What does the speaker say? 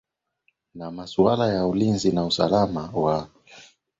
na masuala ya ulinzi na usalama wa ndani uchumi utamaduni mazingira na huduma zote